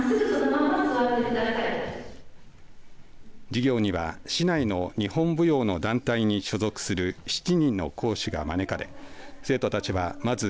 授業には、市内の日本舞踊の団体に所属する７人の講師が招かれ生徒たちはまず